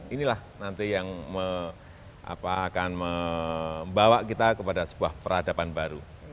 inilah nanti yang akan membawa kita kepada sebuah peradaban baru